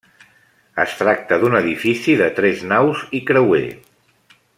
Es tracta d'un edifici de tres naus i creuer.